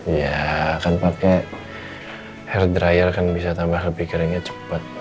iya kan pake hair dryer kan bisa tambah lebih keringnya cepet